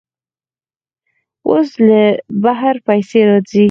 اوس له بهر پیسې راځي.